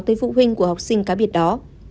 tới phụ huynh của học sinh cá biệt đó